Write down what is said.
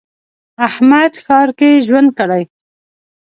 احمد ښار کې ژوند کړی.